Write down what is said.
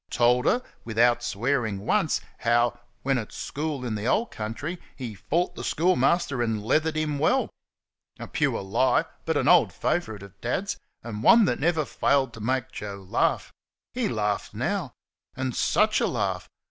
Told her, without swearing once, how, when at school in the old country, he fought the schoolmaster and leathered him well. A pure lie, but an old favourite of Dad's, and one that never failed to make Joe laugh. He laughed now. And such a laugh!